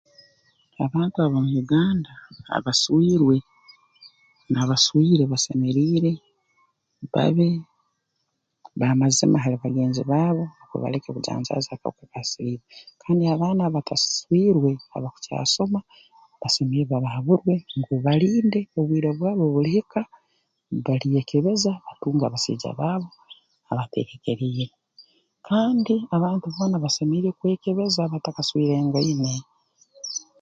Abantu ab'omu Uganda abaswirwe n'abaswire basemeriire babe b'amazima hali bagenzi baabo nukwe baleke kujanjaaza akahuka ka siliimu kandi abaana abatakaswirwe abakukyasoma basemeriire babahaburwe ngu balinde obwire obu bulihika balyekebeza batunge abasaija baabo abatereekeriire kandi abantu boona basemeriire kwekebeza batakaswirengaine